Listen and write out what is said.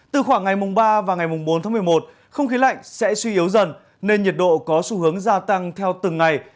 từ khoảng ngày mùng ba và ngày mùng bốn tháng một mươi một không khí lạnh sẽ suy yếu dần nên nhiệt độ có xu hướng gia tăng theo từng ngày